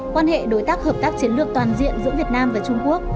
quan hệ đối tác hợp tác chiến lược toàn diện giữa việt nam và trung quốc